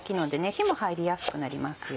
火も入りやすくなりますよ。